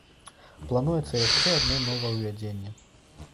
Плануецца яшчэ адно новаўвядзенне.